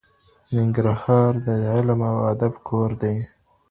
ننګرهار د علم او ادب کور دی.